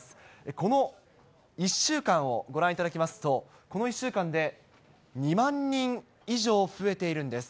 この１週間をご覧いただきますと、この１週間で２万人以上増えているんです。